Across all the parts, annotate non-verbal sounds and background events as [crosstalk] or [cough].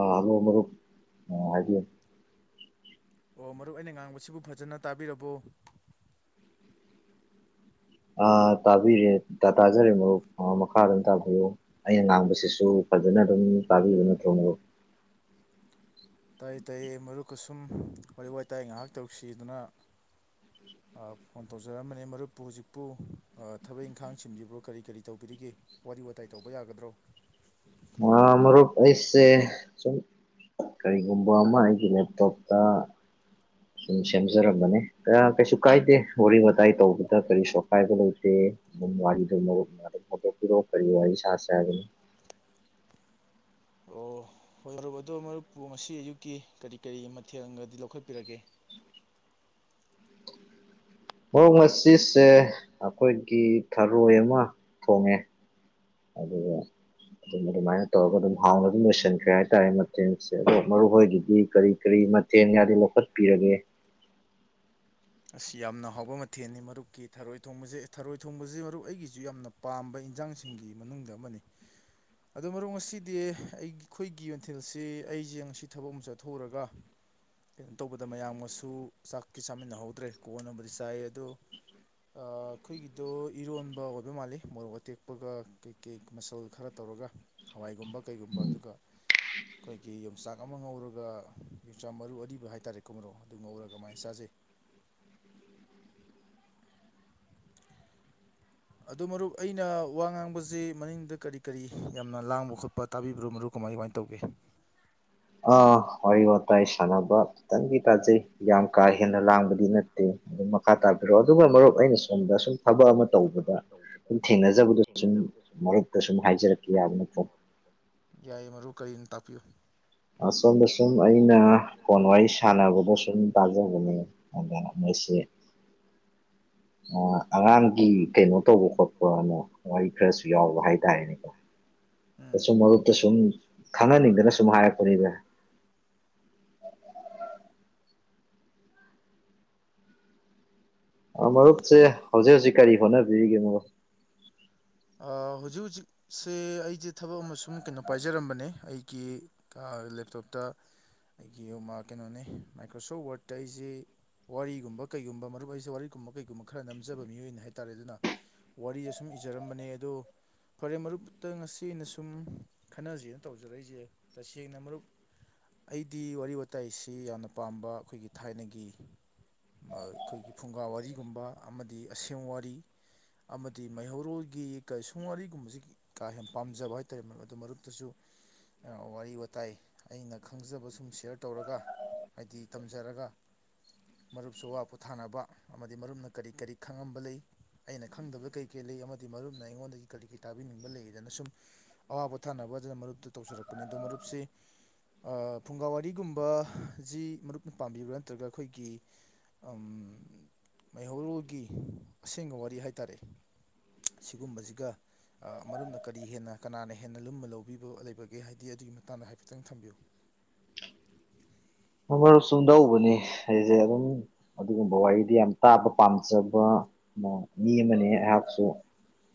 ꯑꯥ hello ꯃꯔꯨꯞ ꯑ ꯍꯥꯏꯕꯤꯌꯨ ꯑꯣ ꯃꯔꯨꯞ ꯑꯩꯅ ꯉꯥꯡꯕꯁꯤꯕꯨ ꯐꯖꯅ ꯇꯥꯕꯤꯔꯕꯣ ꯑꯥ ꯇꯥꯕꯤꯔꯦ ꯇꯥꯖꯔꯦ ꯃꯔꯨꯞ ꯃꯈꯥ ꯑꯗꯝ ꯇꯥꯕꯤꯌꯨ ꯑꯩꯅ ꯉꯥꯡꯕꯁꯤꯁꯨ ꯐꯖꯅ ꯑꯗꯨꯝ ꯄꯥꯕꯤꯕ ꯅꯠꯇ꯭ꯔꯣ ꯃꯔꯨꯞ ꯇꯥꯢꯌꯦ ꯇꯥꯢꯌꯦ ꯃꯔꯨꯞꯀ ꯁꯨꯝ ꯋꯥꯔꯤ ꯋꯥꯇꯥꯏ ꯉꯥꯏꯍꯥꯛ ꯇꯧꯁꯤꯗꯅ ꯐꯣꯟ ꯇꯧꯖꯔꯛꯑꯝꯕꯅꯦ ꯃꯔꯨꯞꯄꯨ ꯍꯧꯖꯤꯛꯄꯨ ꯊꯕꯛ ꯏꯪꯈꯥꯡ ꯆꯤꯟꯕꯤꯕ꯭ꯔꯣ ꯀꯔꯤ ꯀꯔꯤ ꯇꯧꯕꯤꯔꯤꯒꯦ ꯋꯥꯔꯤ ꯋꯥꯇꯥꯏ ꯇꯧꯕ ꯌꯥꯒꯗ꯭ꯔꯣ ꯑ ꯃꯔꯨꯞ ꯑꯩꯁꯦ ꯁꯨꯝ ꯀꯔꯤꯒꯨꯝꯕ ꯑꯃ ꯑꯩꯒꯤ ꯂꯦꯞꯇꯣꯞꯇ ꯁꯨꯝ ꯁꯦꯝꯖꯔꯝꯕꯅꯦ ꯑꯥ ꯀꯩꯁꯨ ꯀꯥꯏꯗꯦ ꯋꯥꯔꯤ ꯋꯥꯇꯥꯏ ꯇꯧꯕꯗ ꯀꯔꯤꯁꯨ ꯑꯀꯥꯏꯕ ꯂꯩꯇꯦ ꯑꯗꯨ ꯋꯥꯔꯤꯗꯣ ꯃꯔꯨꯞꯅ ꯑꯗꯨꯝ ꯍꯧꯗꯣꯛꯄꯤꯔꯛꯑꯣ ꯀꯔꯤ ꯋꯥꯔꯤ ꯁꯥꯁꯦ ꯍꯥꯢꯕꯅꯣ ꯑꯣ ꯍꯣꯏ ꯃꯔꯨꯞ ꯑꯗꯣ ꯃꯔꯨꯞꯄꯨ ꯉꯁꯤ ꯑꯌꯨꯛꯀꯤ ꯀꯔꯤ ꯀꯔꯤ ꯃꯊꯦꯜꯒꯗꯤ ꯂꯧꯈꯠꯄꯤꯔꯒꯦ ꯃꯣꯡ ꯉꯁꯤꯁꯦ ꯑꯩꯈꯣꯏꯒꯤ ꯊꯔꯣꯏ ꯑꯃ ꯊꯣꯡꯉꯦ꯫ ꯑꯗꯨꯗ ꯑꯗꯨꯝ ꯑꯗꯨꯃꯥꯏꯅ ꯇꯧꯔꯒ ꯑꯗꯨꯝ ꯍꯥꯡꯅ ꯑꯗꯨꯝ ꯂꯣꯏꯁꯤꯟꯈ꯭ꯔꯦ ꯍꯥꯏꯇꯥꯔꯦ ꯃꯇꯦꯡꯁꯦ ꯑꯗꯣ ꯃꯔꯨ ꯍꯣꯏꯒꯤꯗꯤ ꯀꯔꯤ ꯀꯔꯤ ꯃꯥꯠ ꯇꯦꯡꯒꯗꯤ ꯂꯧꯈꯠꯄꯤꯔꯒꯦ꯫ ꯑꯁ ꯌꯥꯝꯅ ꯍꯥꯎꯕ ꯃꯊꯦꯜꯅꯤ ꯃꯔꯨꯞꯀꯤ ꯊꯔꯣꯏ ꯊꯣꯡꯕꯁꯦ ꯊꯔꯣꯏ ꯊꯣꯡꯕꯁꯦ ꯃꯔꯨꯞ ꯑꯩꯒꯤꯁꯨ ꯌꯥꯝꯅ ꯄꯥꯝꯕ ꯏꯟꯁꯥꯡꯁꯤꯡꯒꯤ ꯃꯅꯨꯡꯗ ꯑꯃꯅꯤ꯫ ꯑꯗꯨ ꯃꯔꯨꯞ ꯉꯁꯤꯗꯤ ꯑꯩꯈꯣꯏꯒꯤ ꯃꯥꯊꯦꯜꯁꯤ ꯑꯩꯁꯦ ꯉꯁꯤ ꯊꯕꯛ ꯑꯃ ꯆꯠꯊꯣꯛꯎꯔꯒ ꯀꯩꯅꯣ ꯇꯧꯕꯗ ꯃꯌꯥꯝꯒꯁꯨ ꯆꯥꯛꯇꯤ ꯆꯥꯃꯤꯟꯅꯍꯧꯗ꯭ꯔꯦ ꯀꯣꯟꯕꯨꯗꯤ ꯆꯥꯏ ꯑꯗꯣ ꯑ ꯑꯩꯈꯣꯏꯒꯤꯗꯣ ꯏꯔꯣꯟꯕ ꯑꯣꯏꯕ ꯃꯥꯜꯂꯤ ꯃꯣꯔꯣꯛ ꯑꯇꯦꯛꯄꯒ ꯀꯩ ꯀꯦꯛ ꯃꯁꯜ ꯈꯔ ꯇꯧꯔꯒ ꯍꯋꯥꯏꯒꯨꯝꯕ ꯀꯩꯒꯨꯝꯕ ꯑꯗꯨꯒ ꯑꯩꯈꯣꯏꯒꯤ ꯌꯣꯡꯆꯥꯛ ꯑꯃ ꯉꯧꯔꯒ ꯌꯣꯡꯆꯥꯛ ꯃꯔꯨ ꯑꯔꯤꯕ ꯍꯥꯏꯇꯥꯔꯦꯀꯣ ꯃꯔꯣ ꯑꯗꯨ ꯉꯧꯔꯒ ꯑꯗꯨꯃꯥꯏꯅ ꯆꯥꯖꯩ꯫ ꯑꯗꯨ ꯃꯔꯨꯞ ꯑꯩꯅ ꯋꯥ ꯉꯥꯡꯕꯁꯤ ꯃꯅꯤꯡꯗ ꯀꯔꯤ ꯀꯔꯤ ꯌꯥꯝꯅ ꯂꯥꯡꯕ ꯈꯣꯠꯄ ꯇꯥꯕꯤꯕ꯭ꯔꯣ ꯃꯔꯨꯞ ꯀꯃꯥꯏ ꯀꯃꯥꯏꯅ ꯇꯧꯒꯦ꯫ ꯑꯥ ꯋꯥꯔꯤ ꯋꯥꯇꯥꯏ ꯁꯥꯟꯅꯕ ꯈꯤꯇꯪꯗꯤ ꯇꯥꯖꯩ ꯌꯥꯝ ꯀꯥ ꯍꯦꯟꯅ ꯂꯥꯡꯕꯗꯤ ꯅꯠꯇꯦ꯫ ꯑꯗꯨꯝ ꯃꯈꯥ ꯇꯥꯕꯤꯔꯛꯑꯣ ꯑꯗꯨꯒ ꯃꯔꯨꯞ ꯑꯩꯅ ꯁꯣꯝꯗ ꯁꯨꯝ ꯊꯕꯛ ꯑꯃ ꯇꯧꯕꯗ ꯁꯨꯝ ꯊꯦꯡꯅꯖꯕꯗꯨ ꯁꯨꯝ ꯃꯔꯨꯞꯇ ꯁꯨꯝ ꯍꯥꯏꯖꯔꯛꯀꯦ ꯌꯥꯕ ꯅꯠꯇ꯭ꯔꯣ꯫ ꯌꯥꯏ ꯃꯔꯨꯞ ꯀꯔꯤꯅꯣ ꯇꯥꯛꯄꯤꯌꯨ꯫ ꯑꯁꯣꯝꯗ ꯁꯨꯝ ꯑꯩꯅ ꯐꯣꯟ ꯋꯥꯔꯤ ꯁꯥꯟꯅꯕꯗ ꯁꯨꯝ ꯇꯥꯖꯕꯅꯦ꯫ ꯑꯗꯨꯗ ꯃꯁꯤ ꯑ ꯑꯉꯥꯡꯒꯤ ꯀꯩꯅꯣ ꯇꯧꯕ ꯈꯣꯠꯄ ꯅ ꯋꯥꯔꯤ ꯈꯔꯁꯨ ꯌꯥꯎꯕ ꯍꯥꯏꯇꯥꯔꯦꯅꯦꯀꯣ꯫ ꯎꯝ ꯑꯩꯁꯨ ꯃꯔꯨꯞꯠꯇ ꯁꯨꯝ ꯈꯪꯍꯟꯅꯤꯡꯗꯅ ꯁꯨꯝ ꯍꯥꯏꯔꯛꯄꯅꯤꯗ꯫ ꯑ ꯃꯔꯨꯞꯁꯦ ꯍꯧꯖꯤꯛ ꯍꯧꯖꯤꯛ ꯀꯔꯤ ꯍꯣꯠꯅꯕꯤꯔꯤꯒꯦ ꯃꯔꯨꯞ ꯑ ꯍꯧꯖꯤꯛ ꯍꯧꯖꯤꯛꯁꯦ ꯑꯩꯁꯦ ꯊꯕꯛ ꯑꯃ ꯁꯨꯝ ꯀꯩꯅꯣ ꯄꯥꯏꯖꯔꯝꯕꯅꯦ ꯑꯩꯒꯤ ꯂꯦꯞꯇꯣꯞꯇ ꯑꯩꯒꯤ ꯀꯩꯅꯣꯅꯤ ꯃꯥꯏꯀ꯭ꯔꯣꯁꯣꯞ ꯋꯥꯔꯠꯇ ꯑꯩꯁꯤ ꯋꯥꯔꯤꯒꯨꯝꯕ ꯀꯩꯒꯨꯝꯕ ꯃꯔꯨꯞ ꯍꯥꯏꯁꯦ ꯋꯥꯔꯤꯒꯨꯝꯕ ꯀꯩꯒꯨꯝꯕ ꯈꯔ ꯅꯝꯖꯕ ꯃꯤꯑꯣꯏꯅꯤ ꯍꯥꯏꯇꯥꯥꯔꯦ ꯑꯗꯨꯅ꯫ ꯋꯥꯔꯤ ꯁꯨꯝ ꯏꯖꯔꯝꯕꯅꯦ ꯑꯗꯣ ꯐꯣꯔꯦ ꯃꯔꯨꯞꯇ ꯉꯁꯤ ꯑꯩꯅ ꯁꯨꯝ ꯈꯟꯅꯖꯅ ꯇꯧꯖꯔꯛꯏꯁꯦ ꯇꯁꯦꯡꯅ ꯃꯔꯨꯞ ꯑꯩꯗꯤ ꯋꯥꯔꯤ ꯋꯥꯇꯥꯏꯁꯤ ꯌꯥꯝꯅ ꯄꯥꯝꯕ ꯑꯩꯈꯣꯏꯒꯤ ꯊꯥꯏꯅꯒꯤ꯫ ꯑꯩꯈꯣꯏꯒꯤ ꯐꯨꯡꯒꯥ ꯋꯥꯔꯤꯒꯨꯝꯕ ꯑꯃꯗꯤ ꯑꯁꯦꯡ ꯋꯥꯔꯤ ꯑꯃꯗꯤ ꯃꯩꯍꯧ ꯎ꯭ꯔꯣꯜꯒꯤ ꯀꯩ ꯁꯨꯝꯋꯥꯔꯤꯒꯨꯝꯕꯁꯤ ꯀꯥ ꯍꯦꯟꯅ ꯄꯥꯝꯖꯕ ꯍꯥꯏꯇꯥꯔꯦ ꯑꯗꯨ ꯃꯔꯛꯇꯁꯨ ꯋꯥꯔꯤ ꯋꯥꯇꯥꯏ ꯑꯩꯅ ꯈꯪꯖꯕ ꯁꯨꯝ ꯁꯤꯌꯥꯔ ꯇꯧꯔꯒ ꯍꯥꯏꯗꯤ ꯊꯝꯖꯔꯒ꯫ ꯃꯔꯨꯞꯁꯨ ꯋꯥ ꯄꯣꯊꯥꯅꯕ ꯑꯃꯗꯤ ꯃꯔꯨꯞꯅ ꯀꯔꯤ ꯀꯔꯤ ꯈꯪꯉꯝꯕ ꯂꯩ꯫ ꯑꯩꯅ ꯈꯪꯗꯕꯗ ꯀꯔꯤ ꯀꯔꯤ ꯂꯩ ꯑꯃꯗꯤ ꯃꯔꯨꯞꯅ ꯑꯩꯉꯣꯟꯗꯒꯤ ꯀꯔꯤ ꯀꯔꯤ ꯇꯥꯕꯤꯅꯤꯡꯕ ꯂꯩꯗꯅ ꯁꯨꯝ ꯑꯋꯥꯕ ꯄꯣꯊꯥꯅꯕ ꯑꯗꯨꯅ ꯃꯔꯨꯞꯇ ꯇꯧꯁꯤꯔꯛꯄꯅꯤ ꯑꯗꯣ ꯃꯔꯨꯞꯁꯤ ꯑ ꯐꯨꯡꯒꯥ ꯋꯥꯔꯤꯒꯨꯝꯕꯖꯤ ꯃꯔꯨꯞꯅ ꯄꯥꯝꯕꯤꯕ꯭ꯔꯥ ꯅꯠꯇ꯭ꯔꯒ ꯑꯩꯈꯣꯏꯒꯤ ꯃꯩꯍꯧꯔꯣꯜꯒꯤ ꯑꯁꯦꯡꯕ ꯋꯥꯔꯤ ꯍꯥꯏꯇꯥꯔꯦ꯫ ꯑꯁꯤꯒꯨꯝꯕꯁꯤꯒ꯫ ꯑ ꯃꯔꯨꯞꯅ ꯀꯔꯤ ꯍꯦꯟꯅ ꯀꯅꯥꯅ ꯍꯦꯟꯅ ꯂꯨꯝꯃ ꯂꯧꯕꯤꯕ ꯂꯩꯕꯒꯦ ꯍꯥꯏꯗꯤ ꯑꯗꯨꯒꯤ ꯃꯇꯥꯡꯗ ꯍꯥꯏꯐꯦꯠꯇꯪ ꯊꯝꯕꯤꯌꯨ ꯃꯔꯨꯞ ꯆꯨꯝꯗꯧꯕꯅꯦ ꯑꯩꯁꯦ ꯑꯗꯨꯝ ꯑꯗꯨꯒꯨꯝꯕ ꯋꯥꯔꯤꯗꯤ ꯌꯥꯝ ꯇꯥꯕ ꯄꯥꯝꯖꯕ ꯃꯤ ꯑꯃ ꯑꯩꯍꯥꯛꯁꯨ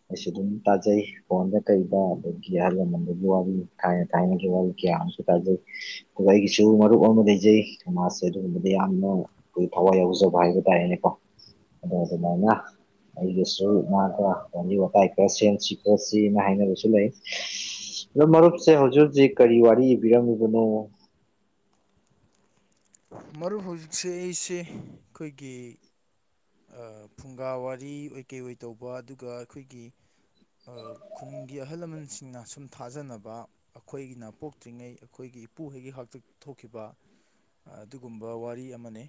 ꯑꯩꯁꯨ ꯑꯗꯨꯝ ꯇꯥꯖꯩ꯫ ꯐꯣꯟꯗ ꯀꯩꯗ ꯑꯗꯒꯤ ꯑꯍꯜ ꯂꯃꯟꯒꯤ ꯋꯥꯔꯤ ꯊꯥꯏꯅꯒꯤ ꯋꯥꯔꯤ ꯀꯌꯥ ꯑꯃꯁꯨ ꯇꯥꯖꯩ꯫ ꯑꯗ ꯑꯩꯒꯤꯁꯨ ꯃꯔꯨꯞ ꯑꯃꯥ ꯂꯩ ꯄꯖꯩ ꯁꯃꯥꯖꯁꯦ ꯑꯗꯨꯒꯨꯝꯕꯗ ꯌꯥꯝꯅ ꯑꯩꯈꯣꯏ ꯊꯋꯥꯏ ꯌꯥꯎꯖꯕ ꯍꯥꯏꯕ ꯇꯥꯔꯦꯅꯦꯀꯣ ꯑꯗ ꯑꯗꯨ ꯃꯥꯥꯏꯅ ꯑꯩꯒꯤꯁꯨ ꯃꯒ ꯋꯥꯔꯤ ꯋꯥꯇꯥꯏ ꯈ ꯁꯦꯝ ꯁꯤꯀꯣ ꯁꯤꯅ ꯍꯥꯏꯅꯕꯁꯨ ꯂꯩ ꯑꯗꯣ ꯃꯔꯨꯞꯁꯦ ꯍꯧꯖꯤꯛ ꯍꯧꯖꯤꯛ ꯀꯔꯤ ꯋꯥꯔꯤ ꯏꯕꯤꯔꯝꯃꯤꯕꯅꯣ ꯃꯔꯨꯞ ꯍꯧꯖꯤꯛꯁꯦ ꯑꯩꯁꯦ ꯑꯩꯈꯣꯏꯒꯤ ꯐꯨꯡꯒꯥ ꯋꯥꯔꯤ ꯑꯣꯏ ꯀꯩ ꯑꯣꯏ ꯇꯧꯕ ꯑꯗꯨꯒ ꯑꯩꯈꯣꯏꯒꯤ ꯈꯨꯟꯒꯤ ꯑꯍꯜ ꯂꯃꯟꯁꯤꯡꯅ ꯁꯨꯝ ꯊꯥꯖꯅꯕ ꯑꯩꯈꯣꯏꯒꯤꯅ ꯄꯣꯛꯇ꯭ꯔꯤꯉꯩ ꯑꯩꯈꯣꯏꯒꯤ ꯏꯄꯨ ꯍꯣꯏꯒꯤ ꯍꯥꯛꯇꯛ ꯊꯣꯛꯈꯤꯕ ꯑꯗꯨꯒꯨꯝꯕ ꯋꯥꯔꯤ ꯑꯃꯅꯤ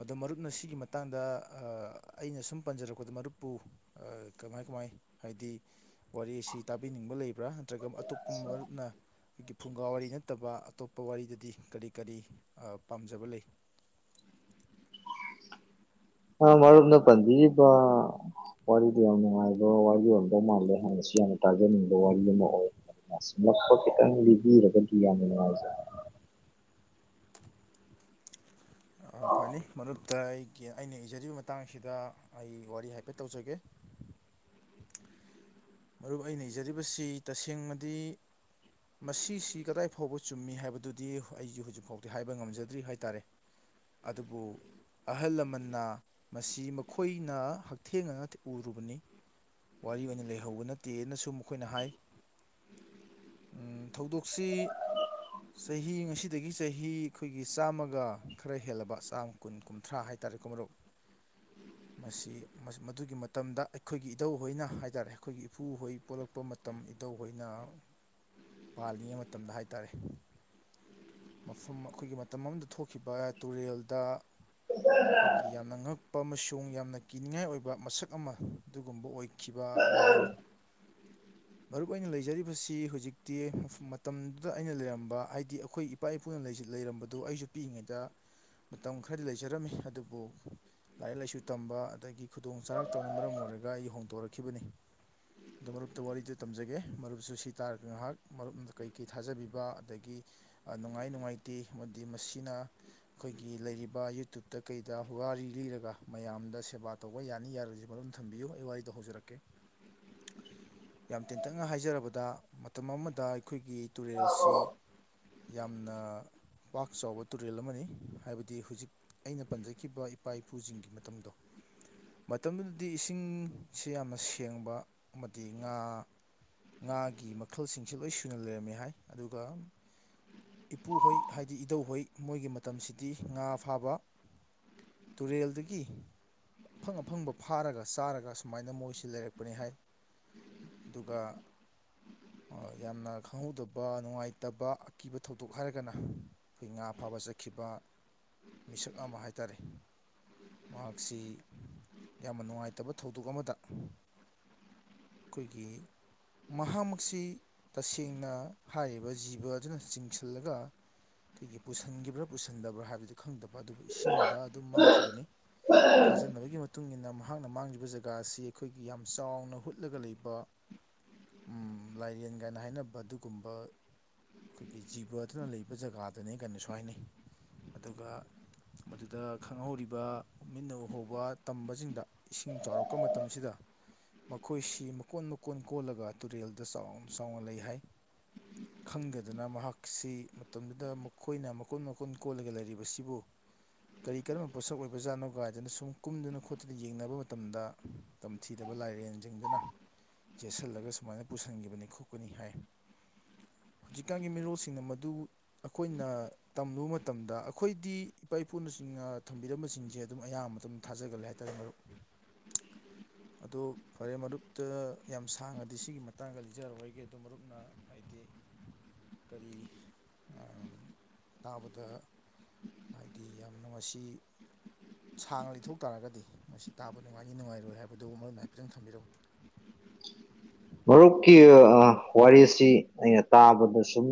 ꯑꯗꯣ ꯃꯔꯨꯞꯅ ꯁꯤꯒꯤ ꯃꯇꯥꯡ ꯗ ꯑꯩꯅ ꯁꯨꯝ ꯄꯟꯖꯔꯛꯄꯗ ꯃꯔꯨꯞꯄꯨ ꯀꯃꯥꯏ ꯀꯃꯥꯏ ꯍꯥꯏꯗꯤ ꯋꯥꯔꯤ ꯑꯁꯤ ꯇꯥꯕꯤꯅꯤꯡꯕ ꯂꯩꯕ꯭ꯔꯥ ꯅꯠꯇ꯭ꯔꯒ ꯑꯇꯣꯞꯄ ꯃꯔꯨꯞꯅ ꯑꯩꯈꯣꯏꯒꯤ ꯐꯨꯡꯒꯥ ꯋꯥꯔꯤ ꯅꯠꯇꯕ ꯑꯇꯣꯞꯄ ꯋꯥꯔꯤꯗꯗꯤ ꯀꯔꯤ ꯀꯔꯤ ꯄꯥꯝꯖꯕ ꯂꯩ ꯑ ꯃꯔꯨꯞꯅ ꯄꯟꯕꯤꯔꯤꯕ ꯋꯥꯔꯤꯗꯨ ꯌꯥꯝ ꯅꯨꯡꯉꯥꯏꯕ ꯋꯥꯔꯤ ꯑꯣꯏꯗꯧꯕ ꯃꯥꯜꯂꯦ ꯍꯥꯏꯅꯁꯨ ꯌꯥꯝꯅ ꯇꯥꯖꯅꯤꯡꯕ ꯋꯥꯔꯤ ꯑꯃ ꯑꯣꯏ ꯑ ꯃꯣꯠꯄ ꯈꯤꯇꯪ ꯂꯤꯕꯤꯔꯒꯗꯤ ꯌꯥꯝꯅ ꯅꯨꯡꯉꯥꯏꯖꯔꯦ ꯐꯅꯤ ꯃꯔꯨꯞꯗ ꯑꯩꯒꯤ ꯑꯩꯅ ꯏꯖꯔꯤꯕ ꯃꯇꯥꯡꯁꯤꯗ ꯑꯩ ꯋꯥꯔꯤ ꯍꯥꯏꯐꯦꯠ ꯇꯧꯖꯒꯦ ꯃꯔꯨꯞ ꯑꯩꯅ ꯏꯖꯔꯤꯕꯁꯤ ꯇꯁꯦꯡꯕꯗꯤ ꯃꯁꯤꯁꯤ ꯀꯗꯥꯏ ꯐꯥꯎꯕ ꯆꯨꯝꯃꯤ ꯍꯥꯏꯕꯗꯨꯗꯤ ꯑꯩꯖꯨ ꯍꯧꯖꯤꯛꯐꯥꯎꯗꯤ ꯍꯥꯏꯕ ꯉꯝꯖꯗ꯭ꯔꯤ ꯍꯥꯏꯇꯥꯔꯦ ꯑꯗꯨꯕꯨ ꯑꯍꯜ ꯂꯃꯟꯅ ꯃꯁꯤ ꯃꯈꯣꯏꯅ ꯍꯛꯊꯦꯡꯅꯅ ꯎꯔꯨꯕꯅꯤ ꯋꯥꯔꯤ ꯑꯣꯏꯅ ꯂꯩꯍꯧꯕ ꯅꯠꯇꯦꯅꯁꯨ ꯃꯈꯣꯏꯅ ꯍꯥꯏ ꯊꯧꯗꯣꯛꯁꯤ ꯆꯍꯤ ꯉꯁꯤꯗꯒꯤ ꯆꯍꯤ ꯑꯩꯈꯣꯏꯒꯤ ꯆꯥꯝꯃꯒ ꯈꯔ ꯍꯦꯜꯂꯕ ꯆꯥꯝꯃ ꯀꯨꯟ ꯀꯨꯟꯊ꯭ꯔꯥ ꯍꯥꯏꯇꯥꯔꯦ ꯀꯣ ꯃꯔꯨꯞ ꯃꯁꯤ ꯃꯗꯨꯒꯤ ꯃꯇꯝꯗ ꯑꯩꯈꯣꯏꯒꯤ ꯏꯙꯧ ꯍꯣꯏꯅ ꯍꯥꯏꯇꯥꯔꯦ ꯑꯩꯈꯣꯏꯒꯤ ꯏꯄꯨ ꯍꯣꯏ ꯄꯣꯛꯂꯛꯄ ꯃꯇꯝ ꯏꯙꯧ ꯍꯣꯏꯅ ꯄꯥꯜꯂꯤꯉꯩ ꯃꯇꯝꯗ ꯍꯥꯏꯇꯥꯔꯦ ꯃꯐꯝ ꯑꯩꯈꯣꯏꯒꯤ ꯃꯇꯝ ꯑꯃꯗ ꯊꯣꯛꯈꯤꯕ ꯇꯨꯔꯦꯜꯗ [unintelligible] ꯑꯩꯈꯣꯏꯒꯤ ꯌꯥꯝꯅ ꯉꯛꯄ ꯑꯃꯁꯨꯡ ꯌꯥꯝꯅ ꯀꯤꯅꯤꯡꯉꯥꯏ ꯑꯣꯏꯕ ꯃꯁꯛ ꯑꯃ ꯑꯗꯨꯒꯨꯝꯕ ꯑꯣꯏꯈꯤꯕ ꯋꯥꯔꯤꯅꯤ ꯃꯔꯨꯨꯞ ꯑꯩꯅ ꯂꯩꯖꯔꯤꯕꯁꯤ ꯍꯧꯖꯤꯛꯇꯤ ꯃꯇꯝꯗꯨꯗ ꯑꯩꯅ ꯂꯩꯔꯝꯕ ꯍꯥꯏꯗꯤ ꯑꯩꯈꯣꯏ ꯏꯄꯥ ꯏꯄꯨꯅ ꯂꯩꯔꯝꯕꯗꯨ ꯑꯩꯁꯨ ꯄꯤꯛꯏꯉꯩꯗ ꯃꯇꯝ ꯈꯔꯗꯤ ꯂꯩꯖꯔꯝꯃꯤ ꯑꯗꯨꯕꯨ ꯂꯥꯏꯔꯤꯛ ꯂꯥꯏꯁꯨ ꯇꯝꯕ ꯑꯗꯒꯤ ꯈꯨꯗꯣꯡ ꯆꯥꯔꯛꯇꯕꯅ ꯃꯔꯝ ꯑꯣꯏꯔꯒ ꯑꯩ ꯍꯣꯡꯗꯣꯔꯛꯈꯤꯕꯅꯤ ꯑꯗꯣ ꯃꯔꯨꯞꯇ ꯋꯥꯔꯤꯗꯨ ꯇꯝꯖꯒꯦ ꯃꯔꯨꯞꯁꯨ ꯁꯤ ꯇꯥꯔꯒ ꯉꯥꯏꯍꯥꯛ ꯃꯔꯨꯞꯅ ꯀꯩꯀꯩ ꯊꯥꯖꯕꯤꯕ ꯑꯗꯒꯤ ꯅꯨꯡꯉꯥꯏ ꯅꯨꯡꯉꯥꯏꯇꯦ ꯑꯃꯗꯤ ꯃꯁꯤꯅ ꯑꯩꯈꯣꯏꯒꯤ ꯂꯩꯔꯤꯕ ꯌꯨꯇ꯭ꯨꯨꯞꯇ ꯀꯩꯗ ꯄꯨꯋꯥꯔꯤ ꯂꯤꯔꯒ ꯃꯌꯥꯝꯗ ꯁꯦꯕꯥ ꯇꯧꯕ ꯌꯥꯅꯤ ꯌꯥꯔꯣꯏꯁꯤ ꯃꯔꯝ ꯊꯝꯕꯤꯌꯨ ꯑꯩ ꯋꯥꯔꯤꯗꯣ ꯍꯧꯖꯔꯛꯀꯦ ꯌꯥꯝ ꯇꯦꯟꯇꯛꯅ ꯍꯥꯏꯖꯔꯕꯗ ꯃꯇꯝ ꯑꯃꯗ ꯑꯩꯈꯣꯏꯒꯤ ꯇꯨꯔꯦꯜꯁꯤ ꯌꯥꯝꯅ ꯄꯥꯛ ꯆꯥꯎꯕ ꯇꯨꯔꯦꯜ ꯑꯃꯅꯤ ꯍꯥꯏꯕꯗꯤ ꯍꯧꯖꯤꯛ ꯑꯩꯅ ꯄꯟꯖꯈꯤꯕ ꯏꯄꯥ ꯏꯄꯨꯁꯤꯡꯒꯤ ꯃꯇꯝꯗꯣ ꯃꯇꯝꯗꯨꯗꯗꯤ ꯏꯁꯤꯡꯁꯦ ꯌꯥꯝꯅ ꯁꯦꯡꯕ ꯑꯃꯗꯤ ꯉꯥ ꯉꯥꯒꯤ ꯃꯈꯜꯁꯤꯡꯁꯦ ꯂꯣꯏ ꯁꯨꯅ ꯂꯩꯔꯝꯃꯦ ꯍꯥꯏ ꯑꯗꯨꯒ ꯏꯄꯨꯍꯣꯏ ꯍꯥꯏꯗꯤ ꯏꯙꯧꯍꯣꯏ ꯃꯣꯏꯒꯤ ꯃꯇꯝꯁꯤꯗꯤ ꯉꯥ ꯐꯥꯕ ꯇꯨꯔꯦꯜꯗꯒꯤ ꯑꯐꯪ ꯑꯐꯪꯕ ꯐꯥꯔꯒ ꯆꯥꯔꯒ ꯁꯨꯃꯥꯏꯅ ꯃꯣꯏꯁꯤ ꯂꯩꯔꯛꯄꯅꯤ ꯍꯥꯏ ꯑꯗꯨꯒ ꯌꯥꯝꯅ ꯈꯪꯍꯧꯗꯕ ꯅꯨꯡꯉꯥꯏꯇꯕ ꯑꯀꯤꯕ ꯊꯧꯗꯣꯛ ꯍꯥꯏꯔꯒꯅ ꯉꯥ ꯐꯥꯕ ꯆꯠꯈꯤꯕ ꯃꯤꯁꯛ ꯑꯃ ꯍꯥꯏ ꯇꯔꯦ ꯃꯍꯥꯛꯁꯤ ꯌꯥꯝꯅ ꯅꯨꯡꯉꯥꯏꯇꯕ ꯊꯧꯗꯣꯛ ꯑꯃꯗ ꯑꯩꯈꯣꯏꯒꯤ ꯃꯍꯥꯛꯃꯛꯁꯤ ꯇꯁꯦꯡꯅ ꯍꯥꯏꯔꯤꯕ ꯖꯤꯕ ꯑꯗꯨꯅ ꯆꯤꯡꯁꯤꯜꯂꯒ ꯀꯩꯒꯤ ꯄꯨꯁꯤꯟꯒꯤꯕ꯭ꯔꯥ ꯄꯨꯁꯟꯗꯕ꯭ꯔꯥ ꯍꯥꯏꯕꯗꯨ ꯈꯪꯗꯕ ꯑꯗꯨꯕꯨ ꯏꯁꯤꯡꯗ ꯑꯗꯨꯝ ꯃꯥꯡꯈꯤꯕꯅꯤ ꯊꯥꯖꯅꯕꯒꯤ ꯃꯇꯨꯡꯟꯅ ꯃꯍꯥꯛꯅ ꯃꯥꯡꯂꯤꯕ ꯖꯒꯥ ꯑꯁꯤ ꯑꯩꯈꯣꯏꯒꯤ ꯌꯥꯝꯅ ꯆꯥꯎꯅ ꯍꯨꯠ ꯂꯒ ꯂꯩꯕ ꯎꯝ ꯂꯥꯏꯔꯦꯟꯒ ꯀꯥꯏꯅ ꯍꯥꯏꯅꯕ ꯑꯗꯨꯒꯨꯝꯕ ꯑꯩꯈꯣꯏꯒꯤ ꯖꯤꯕ ꯑꯗꯨꯅ ꯂꯩꯕ ꯖꯒꯥꯗꯅꯦ ꯀꯥꯏꯅꯁꯨ ꯍꯥꯏꯅꯩ ꯑꯗꯨꯒ ꯃꯗꯨꯗ ꯈꯪꯍꯧꯔꯤꯕ ꯃꯤꯟꯅ ꯎꯍꯧꯕ ꯇꯝꯕꯁꯤꯡꯗ ꯏꯁꯤꯡ ꯆꯥꯎꯔꯛꯄ ꯃꯇꯝꯁꯤꯗ ꯑꯩꯈꯣꯏꯁꯤ ꯃꯀꯣꯟ ꯃꯀꯣꯟ ꯀꯣꯜꯂꯒ ꯇꯨꯔꯦꯜꯗ ꯆꯥꯎꯅ ꯆꯥꯎꯅ ꯂꯩ ꯍꯥꯏ ꯈꯪꯗꯗꯅ ꯃꯍꯥꯛꯁꯤ ꯃꯇꯝꯗꯨꯗ ꯃꯈꯣꯏꯅ ꯃꯀꯣꯟ ꯃꯀꯣꯟ ꯀꯣꯜꯂꯒ ꯂꯩꯔꯤꯕꯁꯤꯕꯨ ꯀꯔꯤ ꯀꯔꯝꯕ ꯄꯣꯠꯁꯛ ꯑꯣꯏꯕꯖꯥꯠꯅꯣ ꯒꯥꯥꯏꯗꯅ ꯁꯨꯝ ꯀꯨꯝꯗꯅ ꯈꯣꯠꯇꯨꯅ ꯌꯦꯡꯅꯕ ꯃꯇꯝꯗ ꯇꯝꯊꯤꯗꯕ ꯂꯥꯏꯔꯦꯡ ꯁꯤꯡꯗꯨꯅ ꯆꯦꯠꯁꯤꯜꯂꯒ ꯁꯨꯃꯥꯏꯅ ꯄꯨꯁꯤꯟꯒꯤꯕꯅꯤ ꯈꯣꯠꯀꯅꯤ ꯍꯥꯏ ꯍꯧꯖꯤꯛꯀꯥꯟꯒꯤ ꯃꯤꯔꯣꯜꯁꯤꯡꯅ ꯃꯗꯨ ꯑꯩꯈꯣꯏꯅ ꯇꯝꯂꯨꯕ ꯃꯇꯝꯗ ꯑꯩꯈꯣꯏꯗꯤ ꯏꯄꯥ ꯏꯄꯨꯅꯁꯤꯡꯅ ꯊꯝꯕꯤꯔꯝꯕꯁꯤꯡꯁꯦ ꯑꯗꯨꯝ ꯑꯌꯥꯝꯕ ꯃꯇꯝ ꯊꯥꯖꯒꯂꯩ ꯍꯥꯏꯇꯔꯦ ꯃꯔꯨꯞ ꯑꯗꯣ ꯐꯔꯦ ꯃꯔꯨꯞꯇ ꯌꯥꯝ ꯁꯥꯡꯉꯗꯤ ꯁꯤꯒꯤ ꯃꯇꯥꯡꯒ ꯂꯩꯖꯔꯔꯣꯏꯒꯦ ꯑꯗꯨꯝ ꯃꯔꯨꯞꯅ ꯍꯥꯏꯗꯤ ꯀꯔꯤ ꯑꯥ ꯇꯥꯕꯗ ꯍꯥꯏꯗꯤ ꯌꯥꯝꯅ ꯉꯁꯤ ꯁꯥꯡꯅ ꯂꯩꯊꯣꯛ ꯇꯥꯔꯒꯗꯤ ꯃꯁꯤ ꯇꯥꯕ ꯅꯨꯡꯉꯥꯏꯅꯤ ꯅꯨꯡꯉꯥꯏꯔꯣꯏ ꯍꯥꯏꯕꯗꯨ ꯃꯔꯝ ꯍꯥꯏꯐꯦꯠꯇꯪ ꯊꯝꯕꯤꯔꯝꯎ ꯃꯔꯨꯞꯀꯤ ꯋꯥꯔꯤꯁꯤ ꯑꯩꯅ ꯇꯥꯕꯗ ꯁꯨꯝ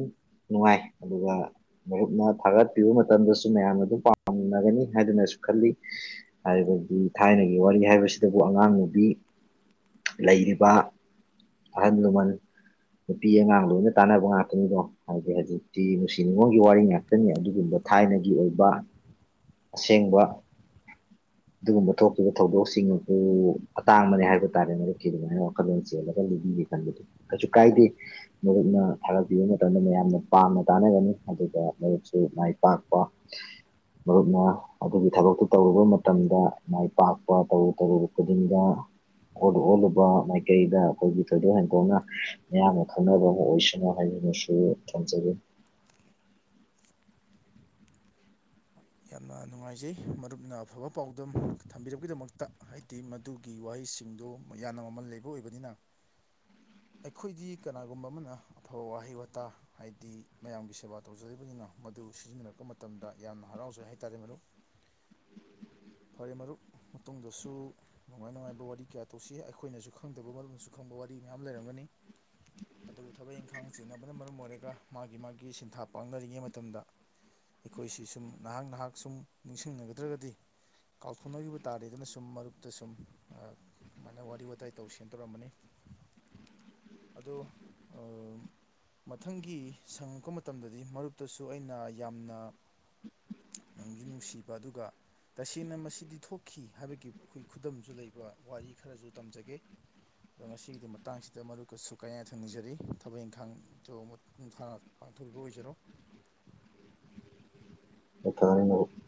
ꯅꯨꯡꯉꯥꯏ ꯑꯗꯨꯒ ꯃꯔꯨꯞꯅ ꯊꯥꯒꯠꯄꯤꯕ ꯃꯇꯝꯗꯁꯨ ꯃꯌꯥꯝꯅ ꯑꯗꯨꯝ ꯄꯥꯝꯅꯒꯅꯤ ꯍꯥꯏꯗꯨꯅꯁꯨ ꯈꯜꯂꯤ ꯍꯥꯏꯕꯗꯤ ꯊꯥꯏꯅꯒꯤ ꯋꯥꯔꯤ ꯍꯥꯏꯕꯁꯤꯗꯕꯨ ꯑꯉꯥꯡ ꯅꯨꯨꯕꯤ ꯂꯩꯔꯤꯕ ꯑꯍꯜ ꯂꯃꯟ ꯅꯨꯄꯤ ꯑꯉꯥꯡ ꯂꯣꯏꯅ ꯇꯥꯟꯅꯕ ꯉꯥꯛꯇꯅꯤꯗꯣ ꯍꯥꯏꯗꯤ ꯍꯧꯖꯤꯛ ꯁꯤ ꯅꯨꯡꯁꯤ ꯅꯤꯉꯣꯟꯜꯒꯤ ꯋꯥꯔꯤ ꯉꯥꯛꯇꯅꯤ ꯑꯗꯨꯒꯨꯝꯕ ꯊꯥꯏꯅꯒꯤ ꯑꯣꯏꯕ ꯑꯁꯦꯡꯕ ꯑꯗꯨꯒꯨꯝꯕ ꯊꯣꯛꯈꯤꯕ ꯊꯧꯗꯣꯛꯁꯤꯡ ꯑꯗꯨ ꯑꯇꯥꯡꯕꯅꯦ ꯍꯥꯏꯕ ꯇꯥꯔꯦ ꯃꯔꯨꯞꯀꯤ ꯑꯗꯨꯃꯥꯏꯅ ꯋꯥꯈꯜꯂꯣꯟ ꯆꯦꯜꯂ [unintelligible] ꯀꯩꯁꯨ ꯀꯥꯏꯗꯦ ꯃꯨꯞꯅ ꯊꯥꯒꯠꯄꯤꯕ ꯃꯇꯝꯗ ꯃꯌꯥꯝꯅ ꯄꯥꯝꯅ ꯇꯥꯅꯒꯅꯤ ꯑꯗꯨꯒ ꯃꯔꯨꯞꯁꯨ ꯃꯥꯏ ꯄꯥꯛꯄ ꯃꯔꯨꯞꯅ ꯑꯗꯨꯒꯤ ꯊꯕꯛꯇꯨ ꯇꯧꯔꯨꯕ ꯃꯇꯝꯗ ꯃꯥꯏ ꯄꯥꯛꯄ ꯇꯧꯔꯨ ꯇꯔꯨ ꯈꯨꯗꯤꯡꯗ ꯑꯣꯜꯂꯨ ꯑꯣꯜꯂꯨꯕ ꯃꯥꯏꯀꯩꯗ ꯑꯩꯈꯣꯏꯒꯤ ꯊꯣꯏꯗꯣꯛ ꯍꯦꯟꯗꯣꯛꯅ ꯃꯌꯥꯝꯅ ꯈꯪꯅꯕ ꯑꯃ ꯑꯣꯏꯁꯅꯨ ꯍꯥꯏꯩꯅꯁꯨ ꯊꯝꯖꯒꯦ ꯌꯥꯝꯅ ꯅꯨꯡꯉꯥꯏꯖꯩ ꯃꯔꯨꯞꯅ ꯑꯐꯕ ꯄꯥꯎꯗꯝ ꯊꯝꯕꯤꯔꯄꯒꯤꯗꯃꯛꯇ ꯍꯥꯏꯗꯤ ꯑꯗꯨꯒꯤ ꯋꯥꯍꯩꯁꯤꯡꯗꯨ ꯌꯥꯝꯅ ꯃꯃꯜ ꯂꯩꯕ ꯑꯣꯏꯕꯅꯤꯅ ꯑꯩꯈꯣꯏꯗꯤ ꯀꯅꯥꯒꯨꯝꯕ ꯑꯃꯅ ꯑꯐꯕ ꯋꯥꯍꯩ ꯋꯥꯇꯥ ꯍꯥꯏꯗꯤ ꯃꯌꯥꯝꯒꯤ ꯁꯦꯕꯥ ꯇꯧꯖꯔꯤꯕꯅꯤꯅ ꯃꯗꯨ ꯁꯤꯖꯤꯟꯅꯔꯛꯄ ꯃꯇꯝꯗ ꯌꯥꯝꯅ ꯍꯔꯥꯎꯖꯩ ꯍꯥꯏꯇꯥꯔꯦ ꯃꯔꯨꯞ ꯐꯔꯦ ꯃꯔꯨꯞ ꯃꯇꯨꯡꯗꯁꯨ ꯅꯨꯡꯉꯥꯏ ꯅꯨꯡꯉꯥꯏꯕ ꯋꯥꯔꯤ ꯀꯌꯥ ꯇꯧꯁꯤ ꯑꯩꯈꯣꯏꯅꯁꯨ ꯈꯪꯗꯕ ꯃꯔꯨꯞꯅꯁꯨ ꯈꯪꯕ ꯋꯥꯔꯤ ꯃꯌꯥꯝ ꯂꯩꯔꯝꯒꯅꯤ ꯑꯗꯨꯕꯨ ꯊꯕꯛ ꯏꯪꯈꯥꯡ ꯆꯦꯟꯅꯕꯅ ꯃꯔꯝ ꯑꯣꯏꯔꯒ ꯃꯥꯒꯤ ꯃꯥꯒꯤ ꯁꯤꯟꯊꯥ ꯄꯥꯡꯅꯔꯤꯉꯩ ꯃꯇꯝꯗ ꯑꯩꯈꯣꯏꯁꯤ ꯁꯨꯝ ꯉꯍꯥꯛ ꯉꯍꯥꯛ ꯁꯨꯝ ꯅꯤꯡꯁꯤꯡꯅꯒꯗ꯭ꯔꯒꯗꯤ ꯀꯥꯎꯊꯣꯛꯅꯈꯤꯕ ꯇꯥꯔꯦꯗꯅ ꯁꯨꯝ ꯃꯔꯨꯞꯇ ꯁꯨꯝ ꯁꯨꯃꯥꯏꯅ ꯋꯥꯔꯤ ꯋꯥꯇꯥꯏ ꯇꯧꯁꯦꯅ ꯇꯧꯔꯛꯕꯅꯤ ꯑꯗꯣ ꯑꯥ ꯃꯊꯪꯒꯤ ꯁꯪꯉꯛꯄ ꯃꯇꯝꯗꯗꯤ ꯃꯔꯨꯞꯇꯁꯨ ꯑꯩꯅ ꯌꯥꯝꯅ ꯅꯣꯡꯖꯨ ꯅꯨꯡꯁꯤꯕ ꯑꯗꯨꯒ ꯇꯁꯦꯡꯅ ꯃꯁꯤꯗꯤ ꯊꯣꯛꯈꯤ ꯍꯥꯏꯕꯒꯤ ꯑꯩꯈꯣꯏ ꯈꯨꯗꯝꯁꯨ ꯂꯩꯕ ꯋꯥꯔꯤ ꯈꯔꯁꯨ ꯇꯝꯖꯒꯦ ꯑꯗꯣ ꯉꯁꯤꯒꯤꯗꯤ ꯃꯇꯥꯡꯁꯤꯗ ꯃꯔꯨꯞ ꯀꯁꯨ ꯀꯥꯏꯅ ꯌꯥꯊꯪ ꯅꯤꯖꯔꯤ ꯊꯕꯛ ꯏꯪꯈꯥꯡꯗꯣ ꯃꯄꯨꯡ ꯐꯥꯅ ꯄꯥꯡꯊꯣꯛꯕ ꯑꯣꯏꯖꯔꯣ [inaudible]